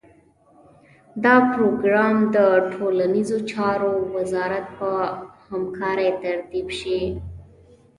دا پروګرام د ټولنیزو چارو وزارت په همکارۍ ترتیب شي.